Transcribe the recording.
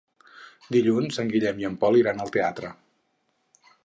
Dilluns en Guillem i en Pol iran al teatre.